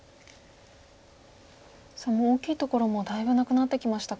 さあもう大きいところもだいぶなくなってきましたか。